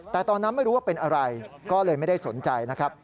แต่ตอนนั้นไม่รู้ว่าเป็นอะไรก็เลยไม่ได้สนใจนะครับ